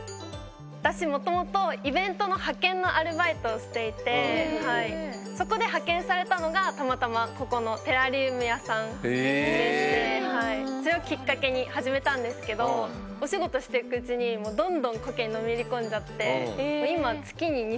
私もともとイベントの派遣のアルバイトをしていてそこで派遣されたのがたまたまここのテラリウム屋さんでしてそれをきっかけに始めたんですけどお仕事していくうちにもうどんどんコケにのめりこんじゃって今え！